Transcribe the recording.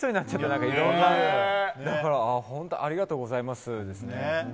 なんかいろんな、だから、本当にありがとうございますですね。